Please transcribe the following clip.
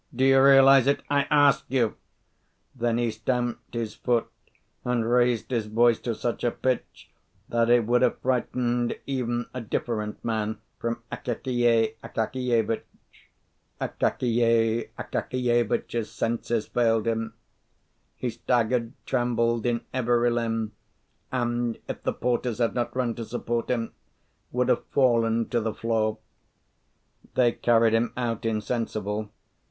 do you realise it? I ask you!" Then he stamped his foot and raised his voice to such a pitch that it would have frightened even a different man from Akakiy Akakievitch. Akakiy Akakievitch's senses failed him; he staggered, trembled in every limb, and, if the porters had not run to support him, would have fallen to the floor. They carried him out insensible.